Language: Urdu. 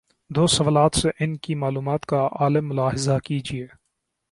دو سوالات سے ان کی معلومات کا عالم ملاحظہ کیجیے۔